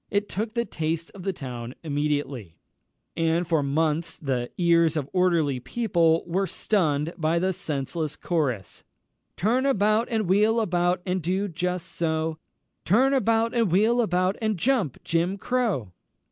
It took the taste of the town immediately, and for months the ears of orderly people were stunned by the senseless chorus "Turn about and wheel about, And do just so Turn about and wheel about, And jump, Jim Crow!"